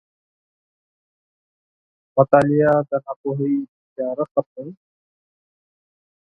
• مطالعه د ناپوهۍ تیاره ختموي.